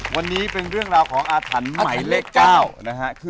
วันนี้เป็นเรื่องราวของอาทันหมายเล็ก๙